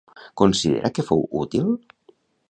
Considera que fou útil?